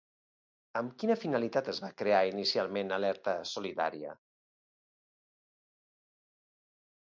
Amb quina finalitat es va crear inicialment Alerta Solidària?